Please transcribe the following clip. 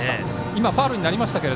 今、ファウルになりましたが。